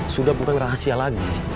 sudah bukan rahasia lagi